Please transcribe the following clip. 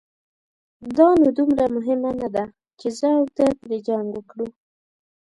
دا نو دومره مهمه نه ده، چې زه او ترې پرې جنګ وکړو.